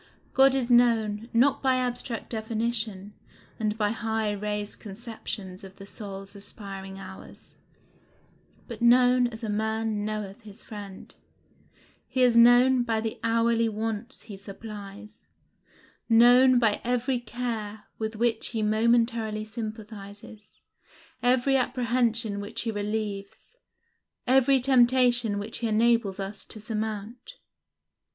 God is known, not by abstract definition, and by high raised conceptions of the soul's aspiring hours, but known as a man knoweth his friend; he is known by the hourly wants he supplies; known by every care with which he momentarily sympathizes, every apprehension which he relieves, every temptation which he enables us to surmount.